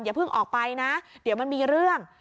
เพิ่งออกไปนะเดี๋ยวมันมีเรื่อง